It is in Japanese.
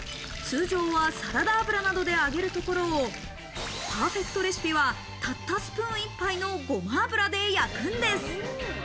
通常は、サラダ油などで揚げるところをパーフェクトレシピは、たったスプーン１杯のゴマ油で焼くんです。